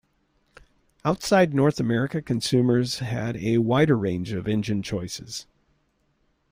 Outside North America, consumers had a wider range of engine choices.